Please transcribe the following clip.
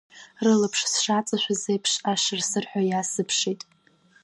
Рылаԥш сшааҵашәаз еиԥш ашыр-сырҳәа иаасзыԥшит.